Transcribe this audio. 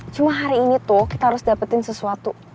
cuma hari ini tuh kita harus dapetin sesuatu